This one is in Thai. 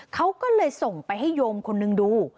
เขาก็เลยส่งไปให้โยมคนนึงดู